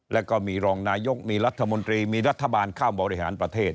แล้วก็มีรองนายกมีรัฐมนตรีมีรัฐบาลเข้าบริหารประเทศ